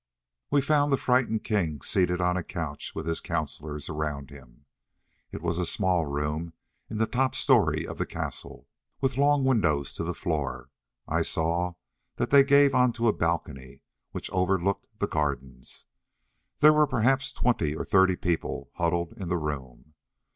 We found the frightened king seated on a couch with his counsellors around him. It was a small room in this top story of the castle, with long windows to the floor. I saw that they gave onto a balcony which overlooked the gardens. There were perhaps twenty or thirty people huddled in the room.